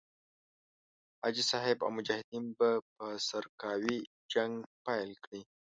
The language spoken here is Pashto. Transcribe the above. حاجي صاحب او مجاهدین به په سرکاوي جنګ پيل کړي.